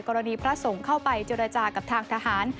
พระสงฆ์เข้าไปเจรจากับทางทหาร